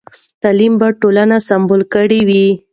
تعلیم به ټولنه سمبال کړې وي.